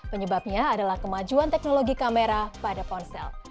penyebabnya adalah kemajuan teknologi kamera pada ponsel